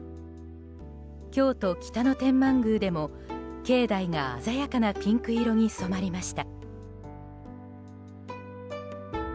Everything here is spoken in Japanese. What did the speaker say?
京都・北野天満宮でも境内が鮮やかなピンク色に染まりました。